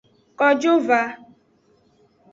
Kojo va.